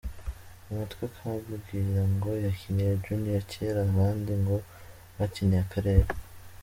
mu matwi akambwira ngo yakiniye Junior kera, abandi ngo bakiniye akarere,.